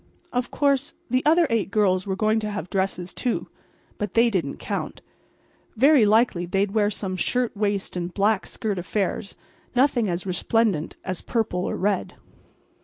Of course, the other eight girls were going to have dresses too, but they didn't count. Very likely they'd wear some shirt waist and black skirt affairs—nothing as resplendent as purple or red.